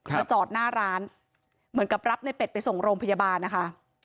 มาจอดหน้าร้านเหมือนกับรับในเป็ดไปส่งโรงพยาบาลนะคะ